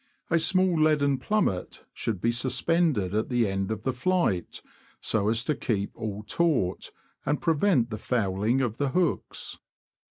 A small leaden plummet should be suspended at the end of the flight, so as to keep all taut, and prevent the fouling of the hooks.